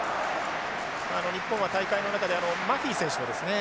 日本は大会の中でマフィ選手もですね